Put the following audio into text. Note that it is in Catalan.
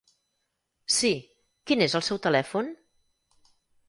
Sí, quin és el seu telèfon?